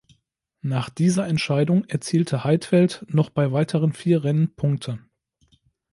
Nach dieser Entscheidung erzielte Heidfeld noch bei weiteren vier Rennen Punkte.